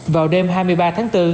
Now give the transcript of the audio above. vào đêm hai mươi ba tháng bốn